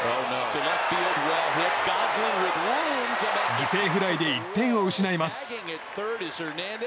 犠牲フライで１点を失います。